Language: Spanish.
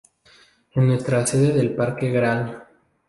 En nuestra Sede del Parque Gral.